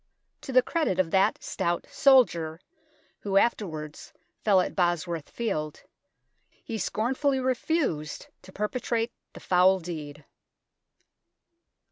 To the credit of that stout soldier, who afterwards fell at Bosworth Field, he scornfully refused to perpetrate the foul deed.